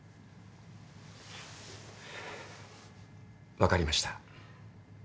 分かりました。